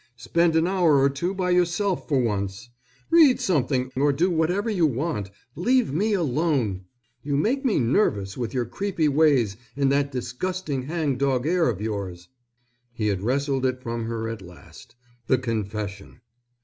Spend an hour or two by yourself for once. Read something, or do whatever you want. Leave me alone. You make me nervous with your creepy ways and that disgusting hang dog air of yours!" He had wrested it from her at last the confession!